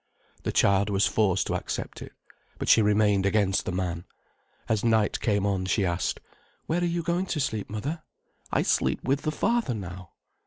The child was forced to accept it. But she remained against the man. As night came on, she asked: "Where are you going to sleep, mother?" "I sleep with the father now."